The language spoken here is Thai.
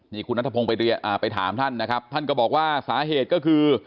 นี่คุณนัทพงศ์ไปถามท่านนะครับท่านก็บอกว่าสาเหตุก็คือ